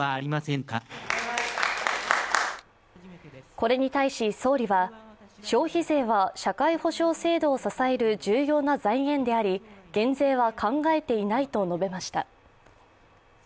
これに対し総理は、消費税は社会保障制度を支える重要な財源であり減税は考えていないと述べました。